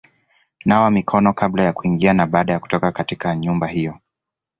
Nawa mikono kabla ya kuingia na baada ya kutoka katika nyumba hiyo;